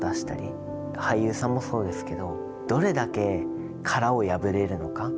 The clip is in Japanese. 俳優さんもそうですけどどれだけ殻を破れるのか。